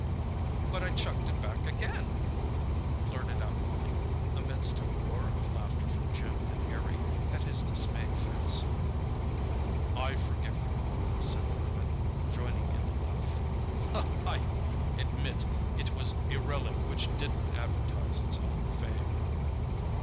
"But I chucked it back again!" blurted out Wally, amidst a roar of laughter from Jim and Harry at his dismayed face. "I forgive you!" said the Hermit, joining in the laugh. "I admit it was a relic which didn't advertise its own fame."